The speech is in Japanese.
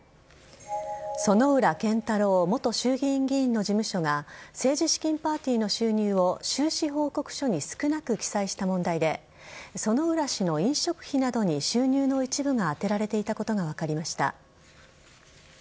薗浦健太郎元衆議院議員の事務所が政治資金パーティーの収入を収支報告書に少なく記載した問題で薗浦氏の飲食費などに収入の一部が充てられていたことが分かりました。